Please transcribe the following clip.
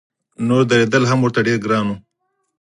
نور درېدل هم ورته ډېر ګران و.